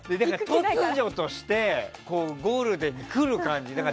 突如としてゴールデンに来る感じ。